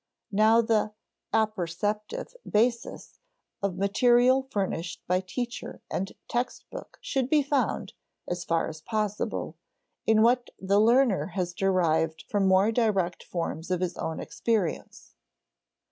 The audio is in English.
Now the "apperceptive basis" of material furnished by teacher and text book should be found, as far as possible, in what the learner has derived from more direct forms of his own experience.